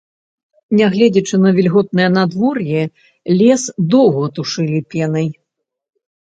Нягледзячы на вільготнае надвор'е, лес доўга тушылі пенай.